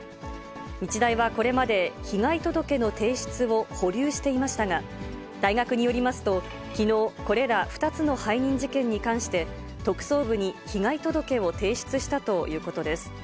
日大はこれまで、被害届の提出を保留していましたが、大学によりますと、きのう、これら２つの背任事件に関して、特捜部に被害届を提出したということです。